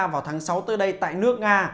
vào tháng sáu tới đây tại nước nga